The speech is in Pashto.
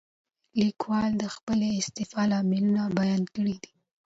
لیکوال د خپلې استعفا لاملونه بیان کړي دي.